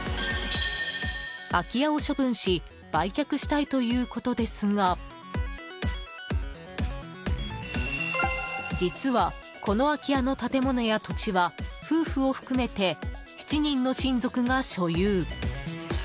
空き家を処分し売却したいということですが実はこの空き家の建物や土地は夫婦を含めて７人の親族が所有。